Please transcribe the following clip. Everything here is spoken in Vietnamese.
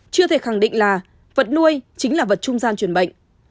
chưa thể khẳng định là vật nuôi chính là vật trung gian truyền bệnh